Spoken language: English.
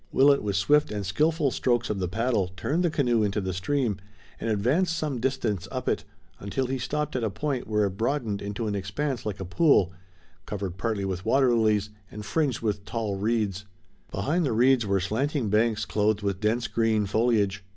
Willet, with swift and skillful strokes of the paddle, turned the canoe into the stream and advanced some distance up it, until he stopped at a point where it broadened into an expanse like a pool, covered partly with water lilies, and fringed with tall reeds. Behind the reeds were slanting banks clothed with dense, green foliage.